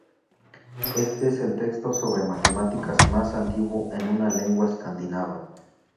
Este es el texto sobre matemáticas más antiguo en una lengua escandinava.